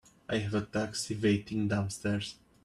I have a taxi waiting downstairs.